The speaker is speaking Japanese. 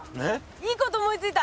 いいこと思いついた。